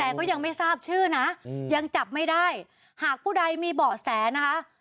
แต่ก็ยังไม่ทราบชื่อนะยังจับไม่ได้หากผู้ใดมีเบาะแสนะคะ